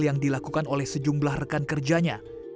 yang dilakukan oleh sejumlah rekan kerjanya